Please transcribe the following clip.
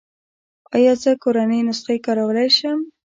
ایا زه کورنۍ نسخې کارولی شم؟